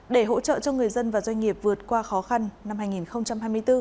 để hỗ trợ cho người dân và doanh nghiệp vượt qua khó khăn năm hai nghìn hai mươi bốn